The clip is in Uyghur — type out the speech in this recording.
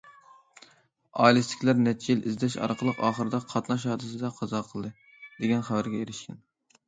ئائىلىسىدىكىلەر نەچچە يىل ئىزدەش ئارقىلىق ئاخىرىدا« قاتناش ھادىسىدە قازا قىلدى» دېگەن خەۋەرگە ئېرىشكەن.